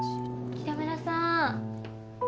北村さん。